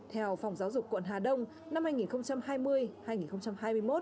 theo phòng giáo dục quận hà đông năm hai nghìn hai mươi hai nghìn hai mươi một